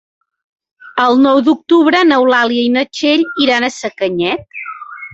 El nou d'octubre n'Eulàlia i na Txell iran a Sacanyet.